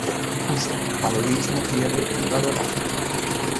Uso: Paludismo, fiebre, hígado, bazo.